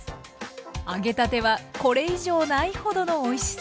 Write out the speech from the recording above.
揚げたてはこれ以上ないほどのおいしさ。